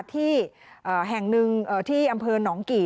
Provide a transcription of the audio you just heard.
ที่แห่งหนึ่งที่อำเภอหนองกี่